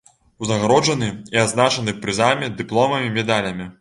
Узнагароджаны і адзначаны прызамі, дыпломамі, медалямі.